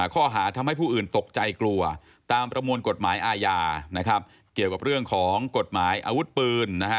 ข้อหาทำให้ผู้อื่นตกใจกลัวตามประมวลกฎหมายอาญานะครับเกี่ยวกับเรื่องของกฎหมายอาวุธปืนนะฮะ